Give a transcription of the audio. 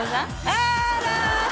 あら！